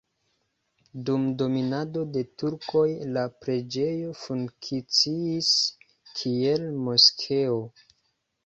Dum dominado de turkoj la preĝejo funkciis, kiel moskeo.